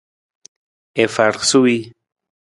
I far suwii.